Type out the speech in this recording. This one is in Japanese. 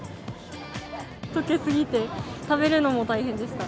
溶け過ぎて、食べるのも大変でした。